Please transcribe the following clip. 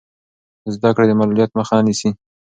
زده کړه د معلولیت مخه نه نیسي.